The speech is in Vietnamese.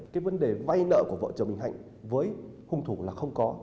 cái vấn đề vay nợ của vợ chồng bình hạnh với hung thủ là không có